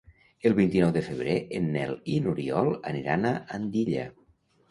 El vint-i-nou de febrer en Nel i n'Oriol aniran a Andilla.